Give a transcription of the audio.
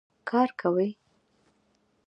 کار کوي.